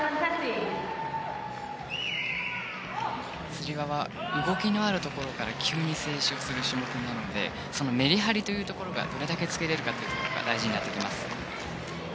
つり輪は動きのあるところから急に静止をする種目なので、そのメリハリがどれだけつけられるかが大事になっていきます。